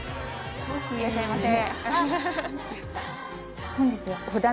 いらっしゃいませ。